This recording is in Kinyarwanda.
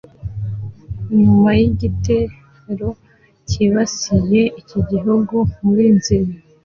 nyuma y’igitero cyibasiye iki gihugu muri Nzeri